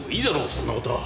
そんなことは。